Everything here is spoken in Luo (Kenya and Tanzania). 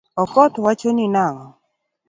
Okoth wachoni nango?